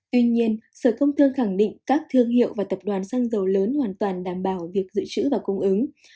tuy nhiên sở công thương khẳng định các thương hiệu và tập đoàn xăng dầu lớn hoàn toàn đảm bảo việc dự trữ và cung ứng